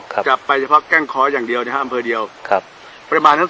ก็ไปเฉพาะแกล้งคออย่างเดียวนี่ฮะอำเมือง